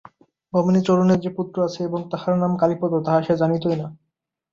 ভবানীচরণের যে পুত্র আছে এবং তাহার নাম কালীপদ তাহা সে জানিতই না।